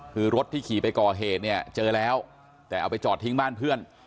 คือรถที่ขี่ไปก่อเหตุเนี่ยเจอแล้วแต่เอาไปจอดทิ้งบ้านเพื่อน